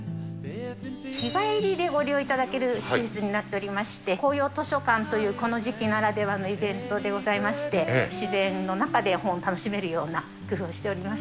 日帰りでご利用いただける施設になっておりまして、紅葉図書館というこの時期ならではのイベントでございまして、自然の中で本を楽しめるような工夫をしております。